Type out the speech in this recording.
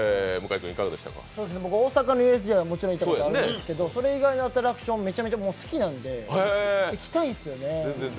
僕、大阪のＵＳＪはもちろん行ったことあるんですけど、それ以外のアトラクション、めちゃめちゃ好きなんで行きたいですよね。